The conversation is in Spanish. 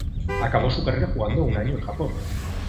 Acabó su carrera jugando un año en Japón.